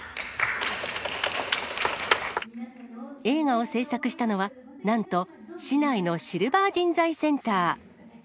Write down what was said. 映画を製作したのは、なんと市内のシルバー人材センター。